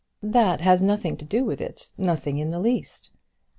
"That has nothing to do with it; nothing in the least."